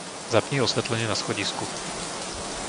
Zapni osvetlenie na schodisku.